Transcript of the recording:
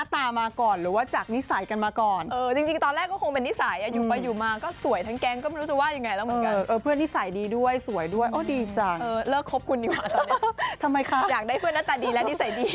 ตัวบางอย่างกับเอ๊ะ๔